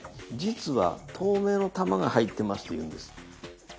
「実は透明の玉が入ってます」と言うんです。